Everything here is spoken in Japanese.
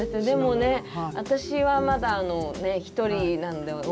でもね私はまだね１人なんで。